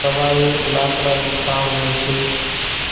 راوايو لاڪڙا نو ٺاۿل هوئيَ سي۔